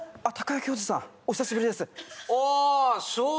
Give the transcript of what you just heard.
なお久しぶりです